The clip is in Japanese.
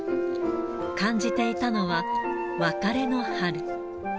感じていたのは、別れの春。